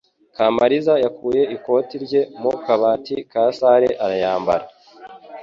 Kamaliza yakuye ikoti rye mu kabati ka salle arayambara.